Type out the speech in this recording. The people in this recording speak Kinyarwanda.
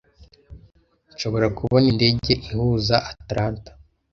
Nshobora kubona indege ihuza Atlanta?